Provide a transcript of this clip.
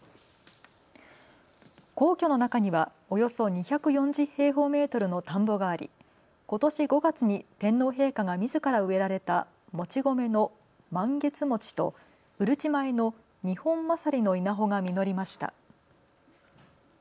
皇居の中にはおよそ２４０平方メートルの田んぼがあり、ことし５月に天皇陛下がみずから植えられたもち米のマンゲツモチとうるち米のニホンマサリの稲穂が実りました。